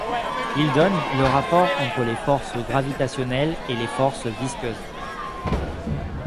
Il donne le rapport entre les forces gravitationnelles et les forces visqueuses.